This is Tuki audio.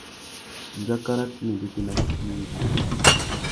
Ndjaka râ tsumu i bétēnamú tsumu ngüimá.